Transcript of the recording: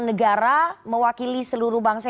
negara mewakili seluruh bangsa